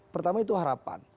pertama itu harapan